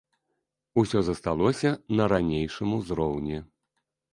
Усё засталася на ранейшым узроўні.